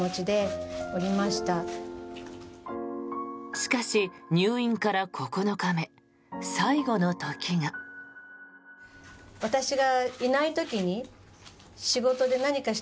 しかし、入院から９日目最期の時が。